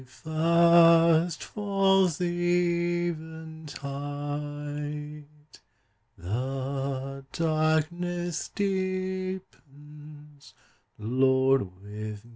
Fast falls the eventide; The darkness deepens: Lord, with me abide!